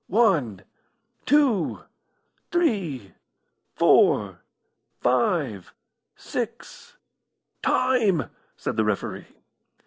"One two three four five six " "Time!" said the referee.